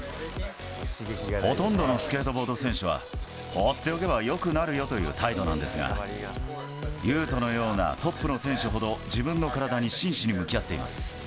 ほとんどのスケートボード選手は、放っておけばよくなるよという態度なんですが、雄斗のようなトップの選手ほど、自分の体に真摯に向き合っています。